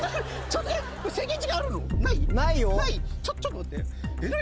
ちょっと待って何。